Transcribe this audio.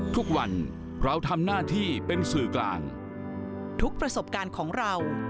ทุกวันเราทำหน้าที่เป็นสื่อกลางทุกประสบการณ์ของเรา